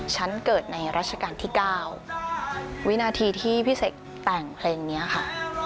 ฉันเกิดในรัชกาลที่๙วินาทีที่พี่เสกแต่งเพลงนี้ค่ะ